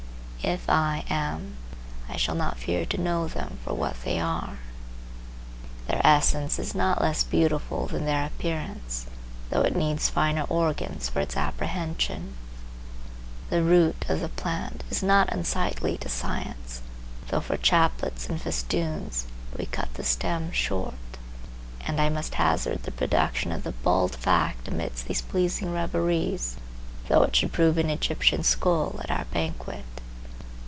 If I am, I shall not fear to know them for what they are. Their essence is not less beautiful than their appearance, though it needs finer organs for its apprehension. The root of the plant is not unsightly to science, though for chaplets and festoons we cut the stem short. And I must hazard the production of the bald fact amidst these pleasing reveries, though it should prove an Egyptian skull at our banquet.